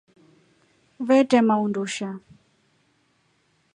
Vetema undusha.